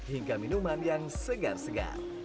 hingga minuman yang segar segar